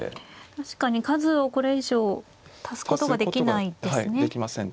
確かに数をこれ以上足すことができないですね。